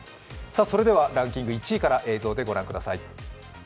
ランキング１位から映像でご覧ください。